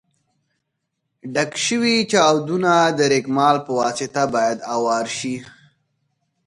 ډک شوي چاودونه د رېګمال په واسطه باید اوار شي.